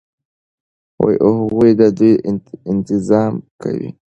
او هغوى ددوى انتظام كوي